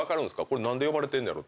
これ何で呼ばれてんねやろ？